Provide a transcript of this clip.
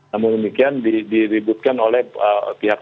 namun demikian diributkan oleh pihak